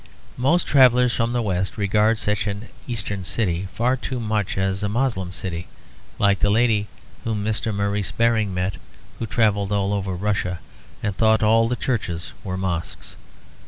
Most travellers from the West regard such an Eastern city far too much as a Moslem city, like the lady whom Mr. Maurice Baring met who travelled all over Russia, and thought all the churches were mosques.